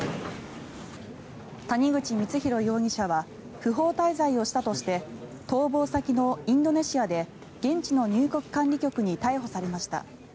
谷口光弘容疑者は不法滞在をしたとして逃亡先のインドネシアで現地の入国管理局に逮捕されました。